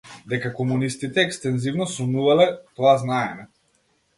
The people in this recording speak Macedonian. Дека комунистите екстензивно сонувале - тоа знаеме.